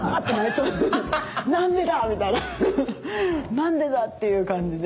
「何でだ」っていう感じで。